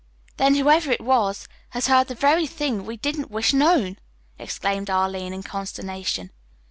"Then, whoever it is has heard the very things we didn't wish known!" exclaimed Arline in consternation.